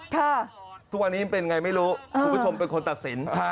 สู่วันนี้เป็นยังไงไม่รู้คุณผู้ชมเป็นคนตัดสิน